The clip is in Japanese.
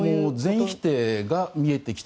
全否定が見えてきた。